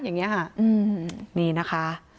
นี่นะคะ